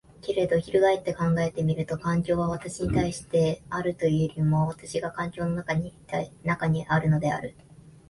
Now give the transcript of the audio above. けれど翻って考えてみると、環境は私に対してあるというよりも私が環境の中にあるのである。